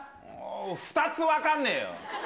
２つ分かんねぇよ。